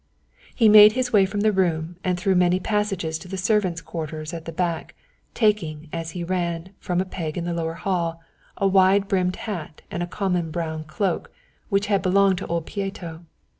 He made his way from the room and through many passages to the servants quarters at the back, taking, as he ran, from a peg in the lower hall, a wide brimmed hat and a common brown cloak which had belonged to old Pieto.